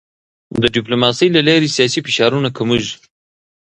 د ډیپلوماسی له لارې سیاسي فشارونه کمېږي.